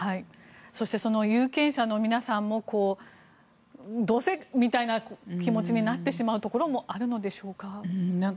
その有権者の皆さんもどうせみたいな気持ちになってしまうところもあるのでしょうか。